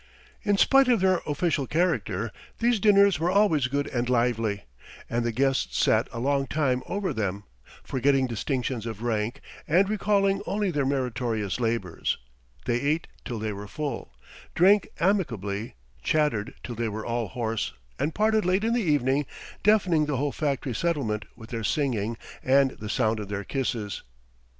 In spite of their official character, these dinners were always good and lively, and the guests sat a long time over them; forgetting distinctions of rank and recalling only their meritorious labours, they ate till they were full, drank amicably, chattered till they were all hoarse and parted late in the evening, deafening the whole factory settlement with their singing and the sound of their kisses.